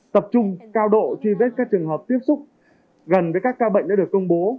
tập trung cao độ truy vết các trường hợp tiếp xúc gần với các ca bệnh đã được công bố